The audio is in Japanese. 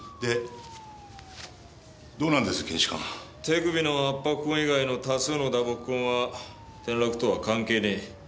手首の圧迫痕以外の多数の打撲痕は転落とは関係ねえ。